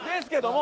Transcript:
も